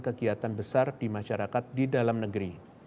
kegiatan besar di masyarakat di dalam negeri